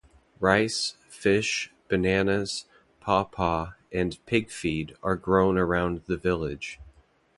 Rice, fish, bananas, pawpaw and pig feed are grown around the village.